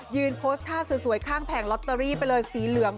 โพสต์ท่าสวยข้างแผงลอตเตอรี่ไปเลยสีเหลือง